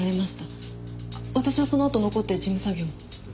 私はそのあと残って事務作業を。